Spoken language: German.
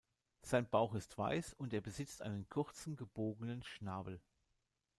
Sein Bauch ist weiß und er besitzt einen kurzen gebogenen Schnabel.